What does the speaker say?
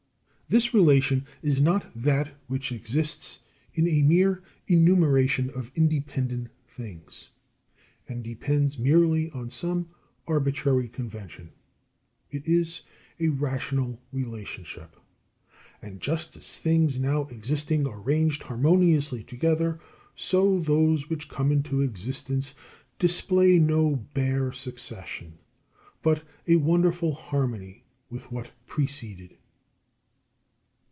This relation is not that which exists in a mere enumeration of independent things, and depends merely on some arbitrary convention. It is a rational relationship. And just as things now existing are ranged harmoniously together, so those which come into existence display no bare succession, but a wonderful harmony with what preceded.